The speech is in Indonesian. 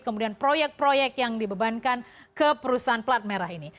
kemudian proyek proyek yang dibebankan ke perusahaan plat merah ini